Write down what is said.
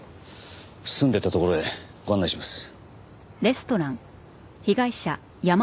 住んでいた所へご案内します。